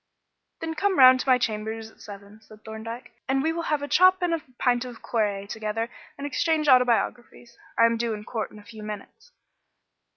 "Then come round to my chambers at seven," said Thorndyke, "and we will have a chop and a pint of claret together and exchange autobiographies. I am due in court in a few minutes."